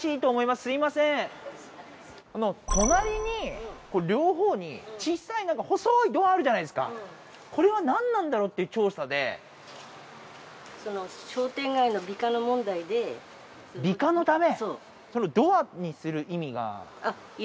すいません隣にこう両方にちっさい何か細いドアあるじゃないですかこれは何なんだろうっていう調査でその商店街の美化の問題で美化のため？